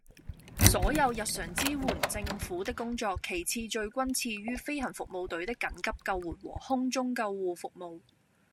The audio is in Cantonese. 所有日常支援政府的工作，其次序均次於飛行服務隊的緊急救援和空中救護服務